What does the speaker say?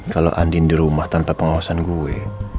kalau andin di rumah tanpa pengawasan gue